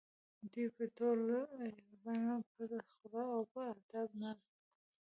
دوی به ټول پټه خوله او په ادب ناست وو.